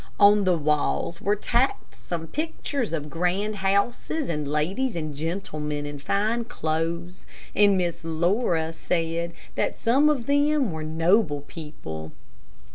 On the walls were tacked some pictures of grand houses and ladies and gentlemen in fine clothes, and Miss Laura said that some of them were noble people.